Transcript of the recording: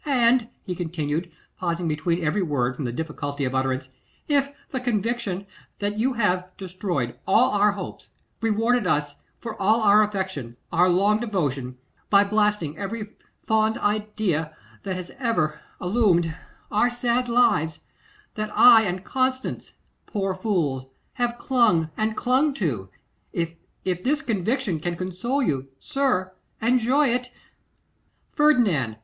'And,' he continued, pausing between every word, from the difficulty of utterance, 'if the conviction that you have destroyed all our hopes, rewarded us for all our affection, our long devotion, by blasting every fond idea that has ever illumined our sad lives, that I and Constance, poor fools, have clung and clung to; if this conviction can console you, sir, enjoy it 'Ferdinand!